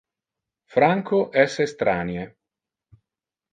Franco es estranie.